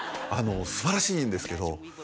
あの素晴らしいんですけど